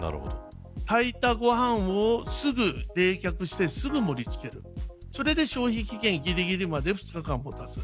炊いたご飯をすぐ冷却してすぐ盛り付けるそれで消費期限ぎりぎりまでもたせる。